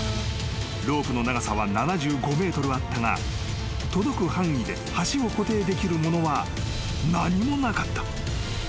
［ロープの長さは７５ｍあったが届く範囲で端を固定できるものは何もなかった］